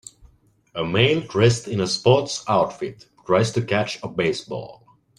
A male dressed in a sports outfit tries to catch a baseball